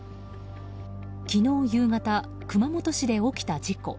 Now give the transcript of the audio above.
昨日夕方、熊本市で起きた事故。